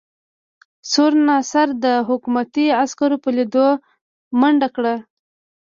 سور ناصر د حکومتي عسکرو په لیدو منډه کړه.